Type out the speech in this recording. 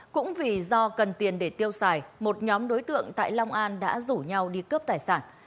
cũng vì do cần tiền để tiêu xài một nhóm đối tượng tại long an đã rủ nhau đi cướp tài sản